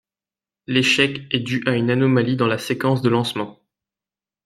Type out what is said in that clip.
L'échec est dû à une anomalie dans la séquence de lancement.